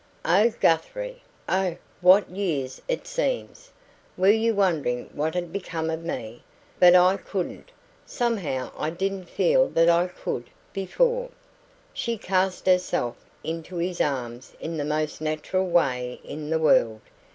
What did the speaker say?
"Oh, Guthrie! Oh, what YEARS it seems! Were you wondering what had become of me? But I couldn't somehow I didn't feel that I COULD before " She cast herself into his arms in the most natural way in the world.